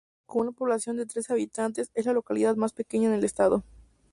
Con una población de trece habitantes, es la localidad más pequeña en el estado.